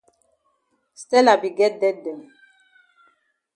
Stella be get debt dem.